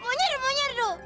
munyir munyir du